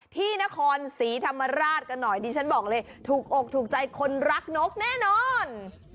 ที่นครศรีธรรมราชกันหน่อยดิฉันบอกเลยถูกอกถูกใจคนรักนกแน่นอน